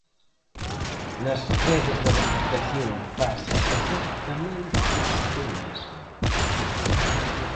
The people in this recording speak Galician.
Nas redes da Deputación pasa exactamente o mesmo.